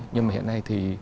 nhưng mà hiện nay thì